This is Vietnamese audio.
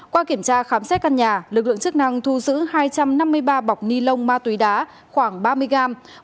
qua kiểm tra khám xét căn nhà lực lượng chức năng thu giữ hai trăm năm mươi ba bọc ni lông ma túy đá khoảng ba mươi gram